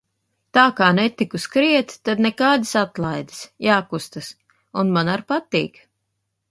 Tā kā netiku skriet, tad nekādas atlaides – jākustas. Un man ar patīk.